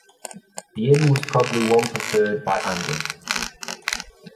The inn was probably one preferred by anglers.